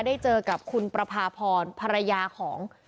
ได้เจอกับคุณประพาพรภรรยาของ